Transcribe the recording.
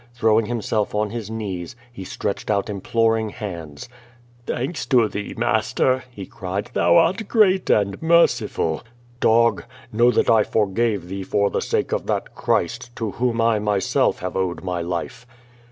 Throwing himself on his knees, he stretch ed out imploring hands. "Thanks to thee, master,'^ he cried. "Thou art great and merciful.^' "Dog! Know that I forgave thee for the sake of that Christ, to whom I myself have owed my life.